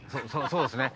そうっすね。